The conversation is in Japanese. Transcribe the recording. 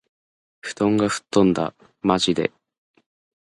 布団が吹っ飛んだ。（まじで）